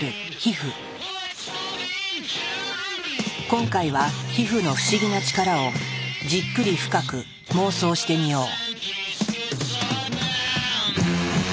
今回は皮膚の不思議な力をじっくり深く妄想してみよう。